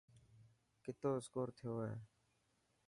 ڪتو اسڪور ٿيو هي.